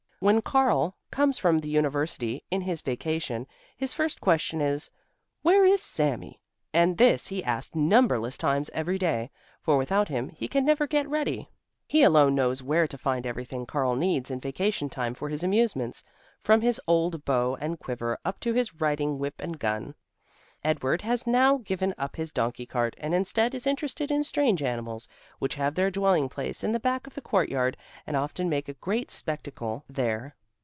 When Karl comes from the university in his vacation, his first question is, "Where is Sami?" and this he asks numberless times every day, for without him he can never get ready. He alone knows where to find everything Karl needs in vacation time for his amusements, from his old bow and quiver up to his riding whip and gun. Edward has now given up his donkey cart and instead is interested in strange animals, which have their dwelling place in the back of the courtyard and often make a great spectacle there.